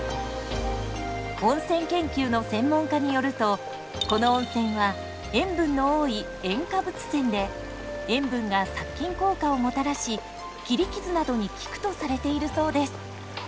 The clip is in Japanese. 温泉研究の専門家によるとこの温泉は塩分の多い塩化物泉で塩分が殺菌効果をもたらし切り傷などに効くとされているそうです。